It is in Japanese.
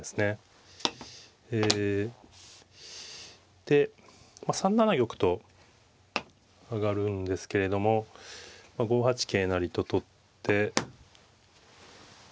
ええで３七玉と上がるんですけれども桂成と取って同玉に。